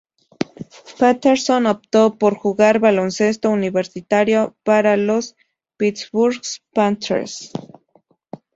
Patterson optó por jugar baloncesto universitario para los Pittsburgh Panthers.